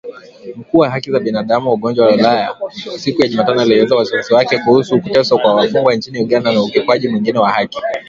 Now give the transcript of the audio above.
Mkuu wa haki za binadamu wa Umoja wa Ulaya siku ya Jumatano alielezea wasiwasi wake kuhusu kuteswa kwa wafungwa nchini Uganda na ukiukwaji mwingine wa haki